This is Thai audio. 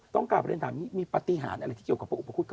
ต้องกลับไปเรียนถามมีปฏิหารอะไรที่เกี่ยวกับภาคอุปคุศ